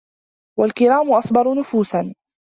وَالْكِرَامُ أَصْبَرُ نُفُوسًا